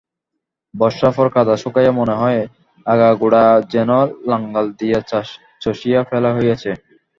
বর্ষার পর কাদা শুকাইয়া মনে হয় আগাগোড়া যেন লাঙল দিয়া চষিয়া ফেলা হইয়াছে।